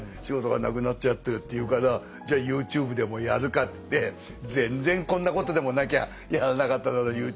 仕事がなくなっちゃってるっていうからじゃあＹｏｕＴｕｂｅでもやるかっつって全然こんなことでもなきゃやらなかっただろう